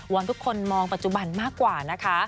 อนทุกคนมองปัจจุบันมากกว่านะคะ